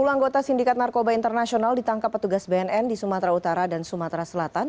sepuluh anggota sindikat narkoba internasional ditangkap petugas bnn di sumatera utara dan sumatera selatan